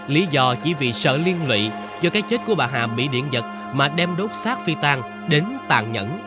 lý do chỉ vì sợ liên lụy do cái chết của bà hàm bị điện giật mà đem đốt sát phi tan đến tàn nhẫn